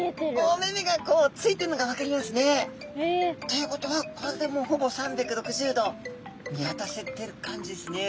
お目々がこうついてるのが分かりますね。ということはこれでもうほぼ３６０度見渡せてる感じですね。